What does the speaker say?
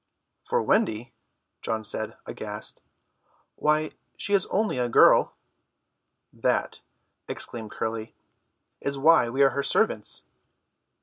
"For Wendy?" John said, aghast. "Why, she is only a girl!" "That," explained Curly, "is why we are her servants."